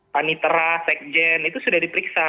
panitera sekjen itu sudah diperiksa